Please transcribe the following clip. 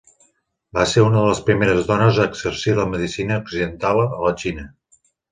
Va ser una de les primeres dones a exercir la medicina occidental a la Xina.